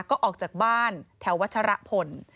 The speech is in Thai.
ก็ออกจากบ้านแถววัชรพล